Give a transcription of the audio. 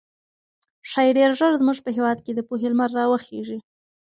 ښايي ډېر ژر زموږ په هېواد کې د پوهې لمر راوخېږي.